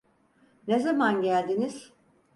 Ne zaman geldiniz?